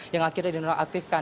yang akhirnya dinonaktifkan